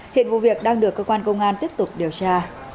hiện vụ việc đang được cơ quan công an tiếp tục điều tra